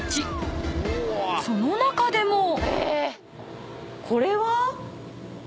［その中でも］これは？